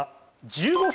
１５分？